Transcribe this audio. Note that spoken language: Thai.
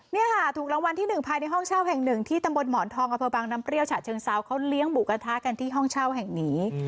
นี่ค่ะถูกรางวัลที่๑ภายในห้องเช่าแห่งหนึ่งที่ตำบลหมอนทองอำเภอบางน้ำเปรี้ยฉะเชิงเซาเขาเลี้ยงหมูกระทะกันที่ห้องเช่าแห่งนี้